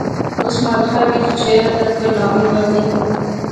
اس ملخے وچ شعر ادب کوئی ناوی گل نئیں